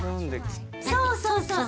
そうそうそう。